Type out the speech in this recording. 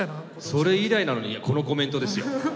それ以来なのにこのコメントですよ。